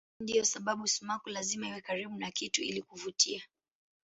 Hii ndiyo sababu sumaku lazima iwe karibu na kitu ili kuvutia.